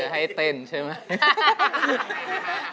ให้เต้นใช่ไหม